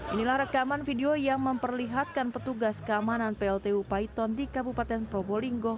inilah rekaman video yang memperlihatkan petugas keamanan pltu paiton di kabupaten probolinggo